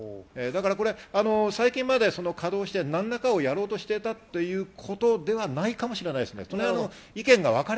最近まで稼働して何らかをやろうとしていたということではないかもしれないです。